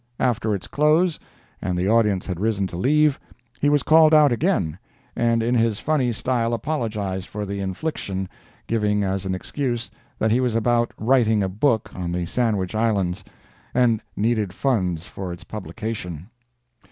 After its close, and the audience had risen to leave, he was called out again, and in his funny style apologised for "the infliction," giving as an excuse that he was about writing a book on the Sandwich Islands, and needed funds for its publication.